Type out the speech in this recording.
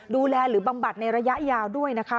ดูแลหรือบำบัดในระยะยาวด้วยนะคะ